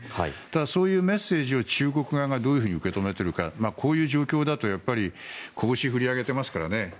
ただ、そういうメッセージを中国側がどう受け止めているかこういう状況だと、やっぱりこぶしを振り上げてますからね。